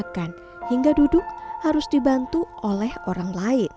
kegiatan lainnya seperti mandi makan hingga duduk harus dibantu oleh orang lain